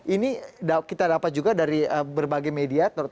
ini kita dapat juga dari berbagai media